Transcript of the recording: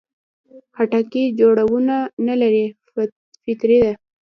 خټکی جوړونه نه لري، فطري ده.